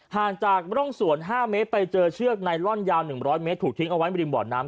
ห่างจากร่องสวน๕เมตรไปเจอเชือกไนลอนยาว๑๐๐เมตรถูกทิ้งเอาไว้บริมบ่อน้ำ